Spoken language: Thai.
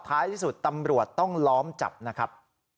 ท้ายที่สุดตำรวจต้องล้อมจับนะครับ